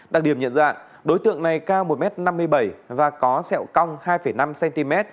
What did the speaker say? đặc điểm nhận dạng đối tượng này cao một m năm mươi bảy và có sẹo cong hai năm cm